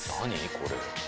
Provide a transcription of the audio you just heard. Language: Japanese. これ。